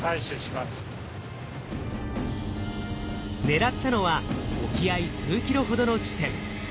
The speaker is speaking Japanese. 狙ったのは沖合数キロほどの地点。